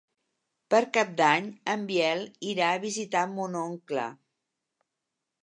Per Cap d'Any en Biel irà a visitar mon oncle.